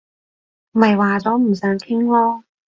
咪話咗唔想傾囉